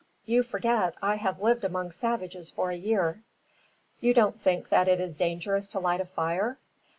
You forget, I have lived among savages for a year." "You don't think that it is dangerous to light a fire?"